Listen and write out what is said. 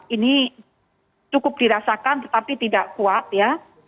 ini cukup dirasakan tetapi tidak kuat ya